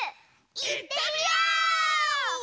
いってみよう！